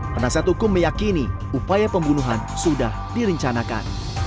penasihat hukum meyakini upaya pembunuhan sudah direncanakan